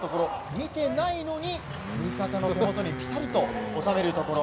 見てないのに味方の手元にぴたりと収めるところ。